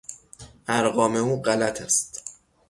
ارقام او غلط است.